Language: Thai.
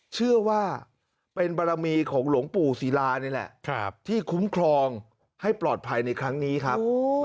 เชื่อว่าเป็นบารมีของหลวงปู่ศิลานี่แหละที่คุ้มครองให้ปลอดภัยในครั้งนี้ครับ